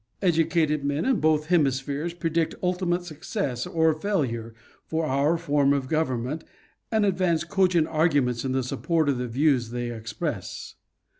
Educated men in both hemispheres predict ultimate success or failure for our form of government and advance cogent argu ments in support of the views they express.